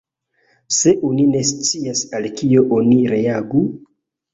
Se oni ne scias al kio oni reagu?